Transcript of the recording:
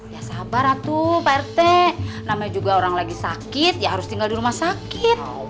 ya sabar ratu prt namanya juga orang lagi sakit ya harus tinggal di rumah sakit